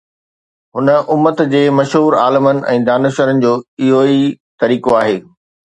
هن امت جي مشهور عالمن ۽ دانشورن جو اهو ئي طريقو آهي.